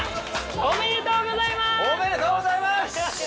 おめでとうございます！